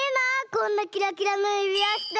こんなキラキラのゆびわして。